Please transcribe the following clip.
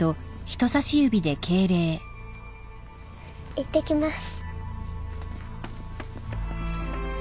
いってきます。